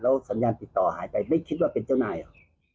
สัญญาณติดต่อหายไปไม่คิดว่าเป็นเจ้านายหรอก